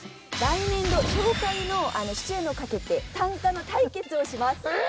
来年度初回の出演をかけて短歌の対決をします。